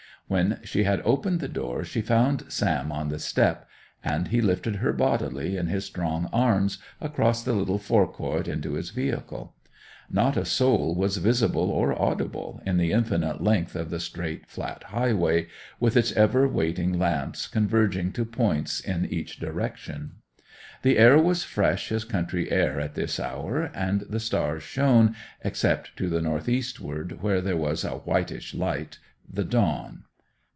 When she had opened the door she found Sam on the step, and he lifted her bodily on his strong arm across the little forecourt into his vehicle. Not a soul was visible or audible in the infinite length of the straight, flat highway, with its ever waiting lamps converging to points in each direction. The air was fresh as country air at this hour, and the stars shone, except to the north eastward, where there was a whitish light—the dawn.